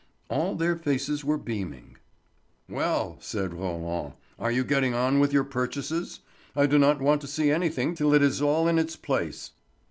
All their faces were beaming. "Well," said Roland, "are you getting on with your purchases? I do not want to see anything till it is all in its place."